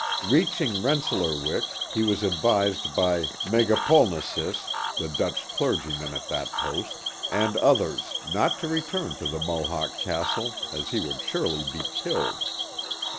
Reaching Rensselaerwyck, he was advised by Megapolensis, the Dutch clergyman at that post, and 46 The Mohawk Valley others not to return to the Mohawk Castle, as he would surely be killed.